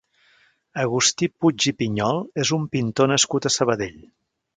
Agustí Puig i Pinyol és un pintor nascut a Sabadell.